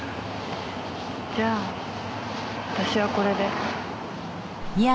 じゃあ私はこれで。